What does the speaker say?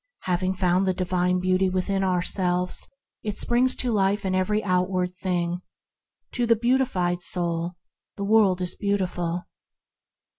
Having found the Divine Beauty within ourselves, it springs to life in every outward thing. To the beautiful soul the world is beautiful.